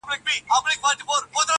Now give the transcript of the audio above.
راسه قباله يې درله در کړمه,